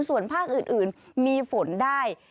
ส่วนภาคอื่นมีฝนได้